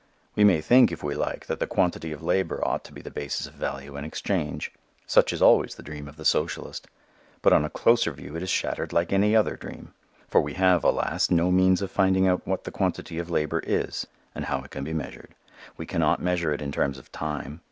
We may think, if we like, that the quantity of labor ought to be the basis of value and exchange. Such is always the dream of the socialist. But on a closer view it is shattered like any other dream. For we have, alas, no means of finding out what the quantity of labor is and how it can be measured. We cannot measure it in terms of time.